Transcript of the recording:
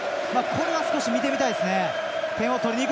これは少し見てみたいですね。